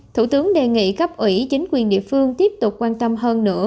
thủ tướng đề nghị cấp ủy chính quyền địa phương tiếp tục quan tâm hơn nữa